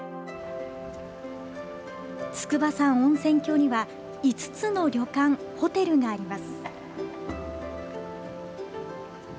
筑波山温泉郷には５つの旅館、ホテルがあります。